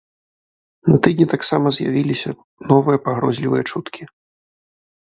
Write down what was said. На тыдні таксама з'явіліся новыя пагрозлівыя чуткі.